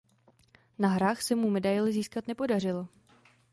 Na hrách se mu medaili získat nepodařilo.